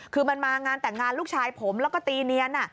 คือมันมางานแต่งงานลูกชายผมแล้วก็ตีเนียน